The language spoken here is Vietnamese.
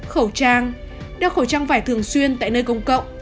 khẩu trang đeo khẩu trang vải thường xuyên tại nơi công cộng